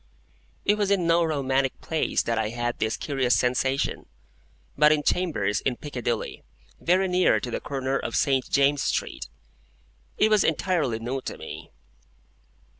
It was in no romantic place that I had this curious sensation, but in chambers in Piccadilly, very near to the corner of St. James's Street. It was entirely new to me.